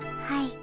はい。